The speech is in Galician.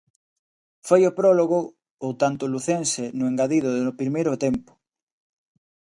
Foi o prólogo o tanto lucense no engadido do primeiro tempo.